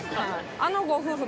あのご夫婦